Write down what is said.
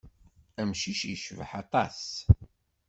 Amcic yecbaḥ aṭas.